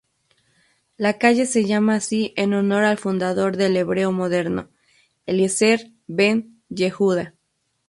La calle se llama así en honor al fundador del hebreo moderno, Eliezer Ben-Yehuda.